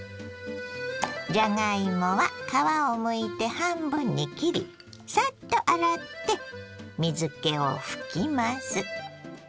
じゃがいもは皮をむいて半分に切りサッと洗って水けを拭きます。